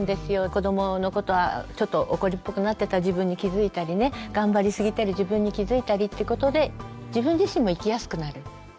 子どものことはちょっと怒りっぽくなってた自分に気付いたりね頑張りすぎてる自分に気付いたりってことで自分自身も生きやすくなるんですね。